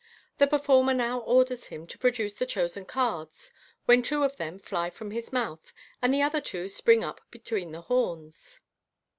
The performer now orders him to pro duce the chosen cards, when two of them fly from his mouth, and the other two spring up be tween his horns.